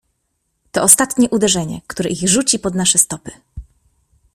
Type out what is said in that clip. "To ostatnie uderzenie, które ich rzuci pod nasze stopy."